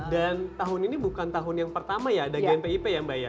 dan tahun ini bukan tahun yang pertama ya ada gnpip ya mbak